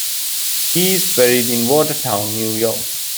He is buried in Watertown, New York.